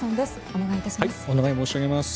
お願いいたします。